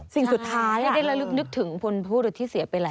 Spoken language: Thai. สิ่งสุดท้ายที่ได้ระลึกนึกถึงพลผู้หรือที่เสียไปแล้ว